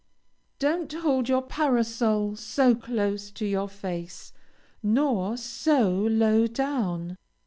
Don't hold your parasol so close to your face, nor so low down.